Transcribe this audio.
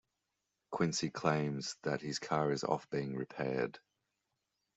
Quincy claims that his car is off being repaired.